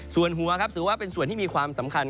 ส่วนหัวครับถือว่าเป็นส่วนที่มีความสำคัญ